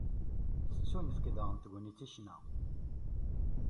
Tettunefk daɣen tegnit i ccna.